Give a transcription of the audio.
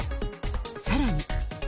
さらに。